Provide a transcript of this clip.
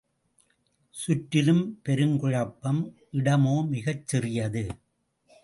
சுற்றிலும் பெருங்குழப்பம், இடமோ மிகச் சிறியது.